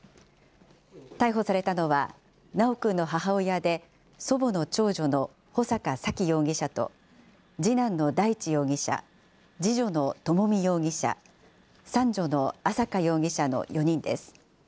逮捕されたのは、修くんの母親で、祖母の長女の穂坂沙喜容疑者と次男の大地容疑者、次女の朝美容疑者、三女の朝華容疑者の４人です。